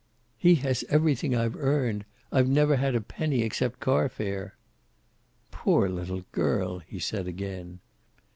"He has everything I've earned.. I've never had a penny except carfare." "Poor little girl!" he said again.